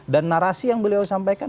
dan narasi yang beliau sampaikan